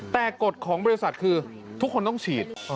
แต่กฎของบริษัทคือทุกคนต้องฉีด